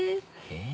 え？